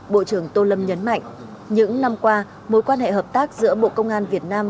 bộ trưởng tô lâm nhấn mạnh những năm qua mối quan hệ hợp tác giữa bộ công an việt nam